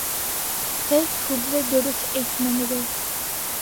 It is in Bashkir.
Һеҙ һүҙҙе дөрөҫ әйтмәнегеҙ